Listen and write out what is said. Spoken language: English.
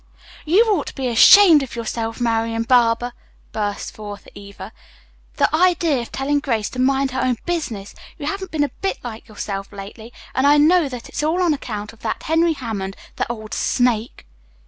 "You ought to be ashamed of yourself, Marian Barber!" burst forth Eva. "The idea of telling Grace to mind her own business! You haven't been a bit like yourself lately, and I know that it's all on account of that Henry Hammond, the old snake."